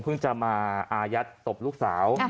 เพิ่งจะมาอายัดศพลูกสาว